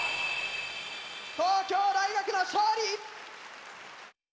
東京大学の勝利！